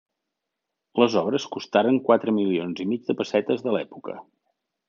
Les obres costaren quatre milions i mig de pessetes de l'època.